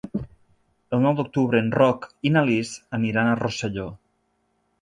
El nou d'octubre en Roc i na Lis aniran a Rosselló.